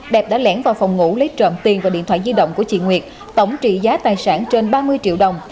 đẹp đã lẻn vào phòng ngủ lấy trộm tiền và điện thoại di động của chị nguyệt tổng trị giá tài sản trên ba mươi triệu đồng